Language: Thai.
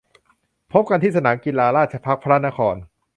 พบกันที่สนามกีฬา ราชภัฏพระนคร !